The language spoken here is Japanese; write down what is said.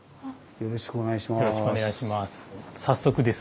よろしくお願いします。